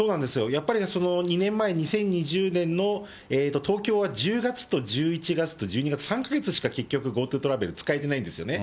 やっぱり２年前・２０２０年の東京は１０月と１１月と１２月、３か月しか結局、ＧｏＴｏトラベル使えてないんですね。